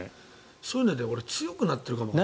そういうので強くなってるかも。